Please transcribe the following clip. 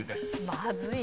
まずいな。